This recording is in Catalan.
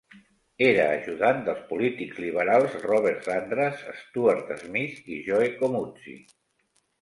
Era ajudant dels polítics liberals Robert Andras, Stuart Smith i Joe Comuzzi.